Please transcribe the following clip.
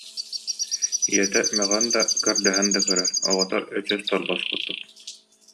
Ийэтэ мөҕөн да, көрдөһөн да көрөр, оҕото өчөс торбос курдук